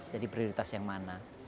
jadi prioritas yang mana